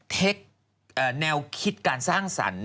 เทคแนวคิดการสร้างสรรค์